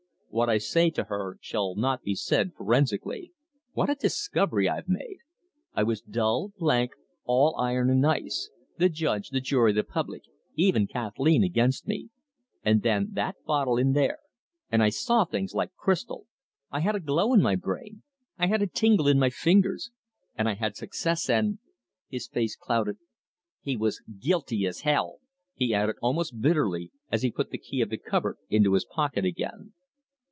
"What I say to her shall not be said forensically. What a discovery I've made! I was dull, blank, all iron and ice; the judge, the jury, the public, even Kathleen, against me; and then that bottle in there and I saw things like crystal! I had a glow in my brain, I had a tingle in my fingers; and I had success, and" his face clouded "He was as guilty as hell!" he added, almost bitterly, as he put the key of the cupboard into his pocket again.